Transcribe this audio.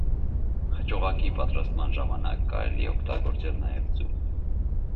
Խճողակի պատրաստման ժամանակ կարելի է օգտագործել նաև ձու։